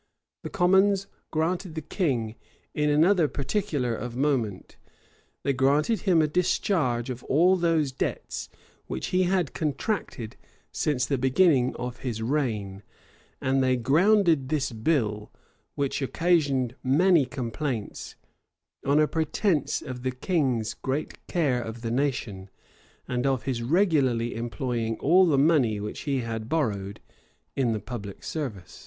The commons gratified the king in another particular of moment: they granted him a discharge of all those debts which he had contracted since the beginning of his reign,[] and they grounded this bill, which occasioned many complaints, on a pretence of the king's great care of the nation, and of his regularly employing all the money which he had borrowed in the public service.